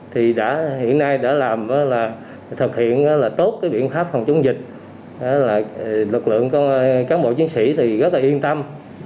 thì hiện nay đã thực hiện tốt biện pháp phòng chống dịch lực lượng cán bộ chiến sĩ rất yên tâm